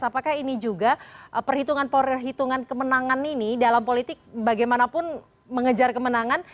apakah ini juga perhitungan perhitungan kemenangan ini dalam politik bagaimanapun mengejar kemenangan